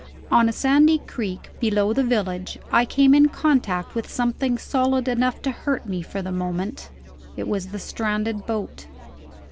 On a sandy creek, below the village, I came in contact with something solid enough to hurt me for the moment. It was the stranded boat.